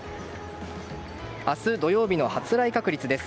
明日土曜日の発雷確率です。